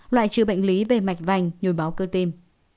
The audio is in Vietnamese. loại trừ bệnh lý về mạch vành nhồi máu cơ tim